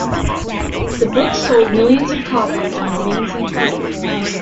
The book sold millions of copies and remains in print.